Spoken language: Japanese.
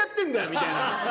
みたいな。